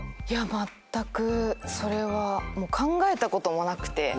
いやまったくそれは考えたこともなくて。